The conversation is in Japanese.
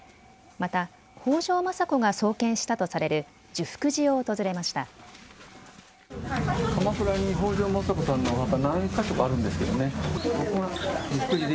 また北条政子が創建したとされる寿福寺を訪れました。